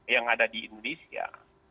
yang ada di indonesia